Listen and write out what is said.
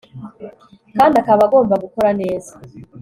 kandi akaba agomba gukora neza